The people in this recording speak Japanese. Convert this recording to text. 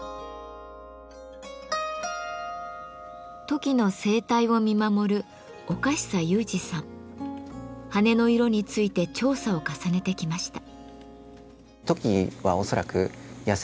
トキの生態を見守る羽の色について調査を重ねてきました。